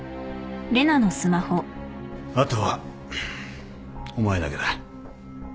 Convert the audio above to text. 後はお前だけだ。